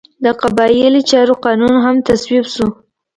د قبایلي چارو قانون هم تصویب شو.